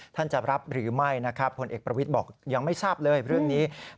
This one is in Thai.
ท่านจะรับหรือไม่ผลเอกประวิตบอกยังไม่ทราบเรื่องในนี้